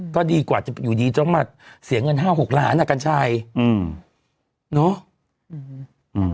ก็ดีกว่าจะอยู่ดีต้องมาเสียเงินห้าหกล้านอ่ะกัญชัยอืมเนอะ